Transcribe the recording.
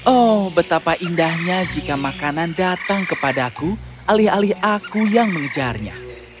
oh betapa indahnya jika makanan datang kepadaku alih alih aku yang mengejarnya